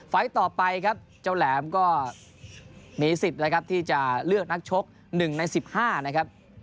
ต่อไปครับเจ้าแหลมก็มีสิทธิ์นะครับที่จะเลือกนักชก๑ใน๑๕นะครับ